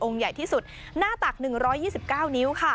องค์ใหญ่ที่สุดหน้าตัก๑๒๙นิ้ว